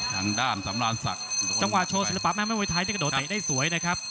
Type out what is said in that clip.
ยังโดโตเตะได้สวยครับ